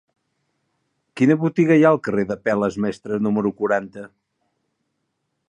Quina botiga hi ha al carrer d'Apel·les Mestres número quaranta?